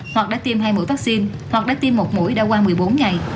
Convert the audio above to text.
hoặc đã tiêm hai mũi vaccine hoặc đã tiêm một mũi đã qua một mươi bốn ngày